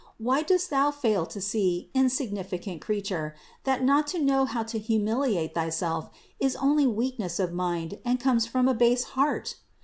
Why dost thou fail to see, insignificant creature, that not to know how to humiliate thyself is only weakness of mind and comes from a base heart?